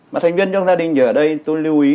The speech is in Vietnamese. mà thành viên trong gia đình ở đây tôi lưu ý